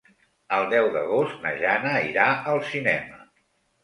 El deu d'agost na Jana irà al cinema.